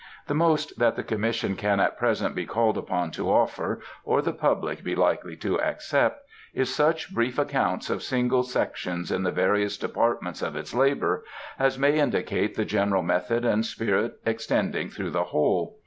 The most that the Commission can at present be called upon to offer, or the public be likely to accept, is such brief accounts of single sections in the various departments of its labor, as may indicate the general method and spirit extending through the whole.